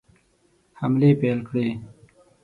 حملې پیل کړې.